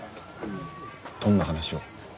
どんな話を？